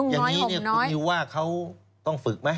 แต่งนุ่มน้อยห่วงน้อยอย่างนี้คุณนิวว่าเขาต้องฝึกไหม